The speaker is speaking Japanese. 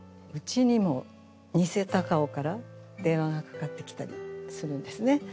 うちにもニセ孝夫から電話がかかってきたりするんですね。